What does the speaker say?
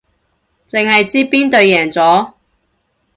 淨係知邊隊贏咗